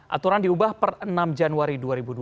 aturan diubah per enam januari dua ribu dua puluh